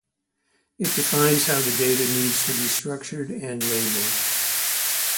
It defines how the data needs to be structured and labeled.